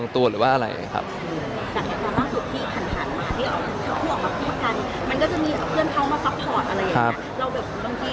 มันก็จะมีเพื่อนเขามาซับพอร์ตอะไรอย่างนี้